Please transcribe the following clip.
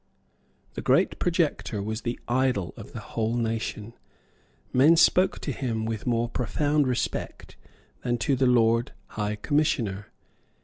The great projector was the idol of the whole nation. Men spoke to him with more profound respect than to the Lord High Commissioner.